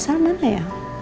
masalah mana ya